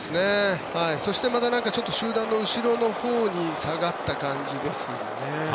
そして、また集団の後ろのほうに下がった感じですよね。